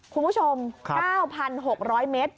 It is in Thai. คุณผู้ชม๙๖๐๐เมตร